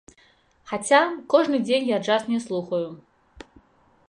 Хаця, кожны дзень я джаз не слухаю.